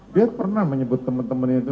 dia pernah menyebut temen temen itu